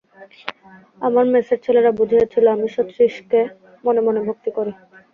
আমার মেসের ছেলেরা বুঝিয়াছিল, আমি শচীশকে মনে মনে ভক্তি করি।